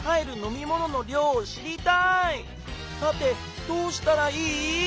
さてどうしたらいい？